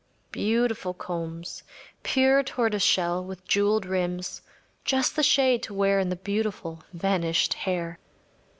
Beautiful combs, pure tortoise shell, with jewelled rims‚ÄĒjust the shade to wear in the beautiful vanished hair.